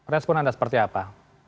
respon anda seperti apa